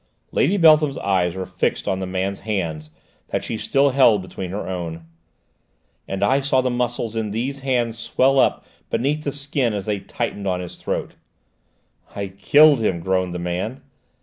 Lady Beltham's eyes were fixed on the man's hands, that she still held between her own. "And I saw the muscles in these hands swell up beneath the skin as they tightened on his throat!" "I killed him!" groaned the man.